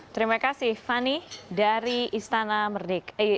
terima kasih fani dari istana merdeka